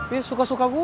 ya suka suka gue